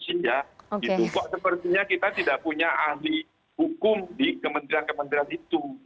itu kok sepertinya kita tidak punya ahli hukum di kementerian kementerian itu